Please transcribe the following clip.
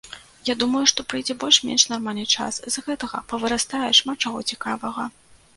Я думаю, што прыйдзе больш-менш нармальны час, з гэтага павырастае шмат чаго цікавага.